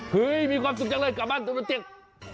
เฮ้ยมีความสุขจังเลยกลับบ้านตัวตัวเตียง